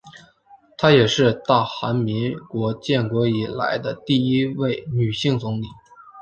她也是大韩民国建国以来的第一位女性总理。